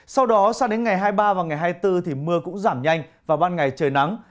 sau đó sang đến ngày hai mươi ba và ngày hai mươi bốn thì mưa cũng giảm nhanh và ban ngày trời nắng